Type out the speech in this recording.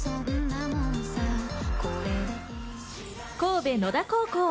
神戸野田高校。